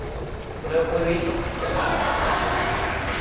それを超えるいい人。